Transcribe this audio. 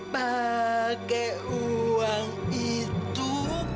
pakai uang itu